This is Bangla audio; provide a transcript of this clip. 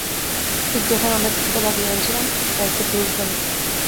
ঠিক যখন আমরা কিছুটা বাগিয়ে আনছিলাম, আর একটা পুরুষ ভালুক।